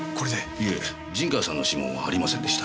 いえ陣川さんの指紋はありませんでした。